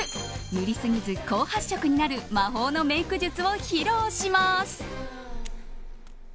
塗りすぎず高発色になる魔法のメイク術を披露します。